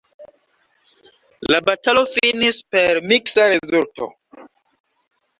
La batalo finis per miksa rezulto.